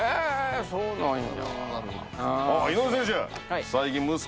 へぇそうなんや。